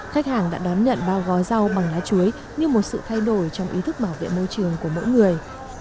khách hàng đã đón nhận bao gói rau bằng lá chuối như một sự thay đổi trong ý thức bảo vệ môi trường của mỗi người